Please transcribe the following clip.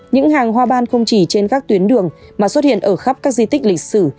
những hàng hoa ban không chỉ trên các tuyến đường mà xuất hiện ở khắp các di tích lịch sử